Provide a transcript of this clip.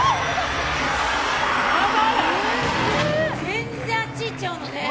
全然あっちいっちゃうのね。